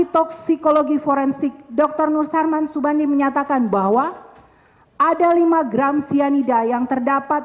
toksikologi forensik dr nur sarman subandi menyatakan bahwa ada lima gram cyanida yang terdapat